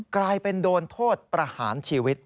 กลายเป็นโดนโทษประหารชีวิต